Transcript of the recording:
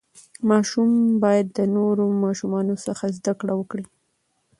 ماشوم باید د نورو ماشومانو څخه زده کړه وکړي.